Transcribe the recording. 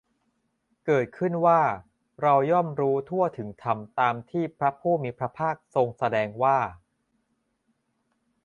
เกิดขึ้นว่า เราย่อมรู้ทั่วถึงธรรมตามที่พระผู้มีพระภาคทรงแสดงว่า